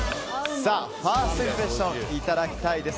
ファーストインプレッションいただきたいです。